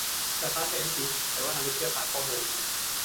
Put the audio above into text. ดาต้าไซเอนทิสต์ แปลว่านักวิทยาศาสตร์ข้อมูล